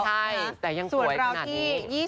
ใช่แต่ยังสวยขนาดนี้